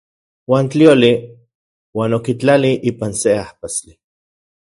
Uan tlioli uan okitlali ipan se ajpastli.